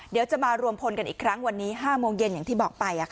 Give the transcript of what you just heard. เดี๋ยวจะมารวมพลกันอีกครั้งวันนี้๕โมงเย็นอย่างที่บอกไป